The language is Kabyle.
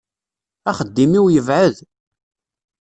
Axeddim-iw yebɛed.